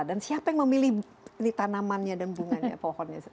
dan siapa yang memilih tanamannya dan bunganya pohonnya